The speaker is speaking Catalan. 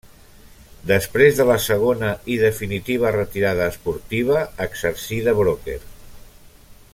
Després de la segona i definitiva retirada esportiva exercí de broker.